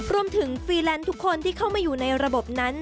ฟรีแลนด์ทุกคนที่เข้ามาอยู่ในระบบนั้น